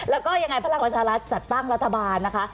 แล้วก็ยังไงพลังประชารัฐจัดตั้งรัฐบาลนะคะ